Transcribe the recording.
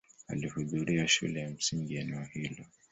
Alihudhuria shule ya msingi eneo hilo.